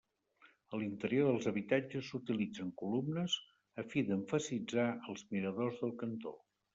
A l'interior dels habitatges, s'utilitzen columnes, a fi d'emfasitzar els miradors del cantó.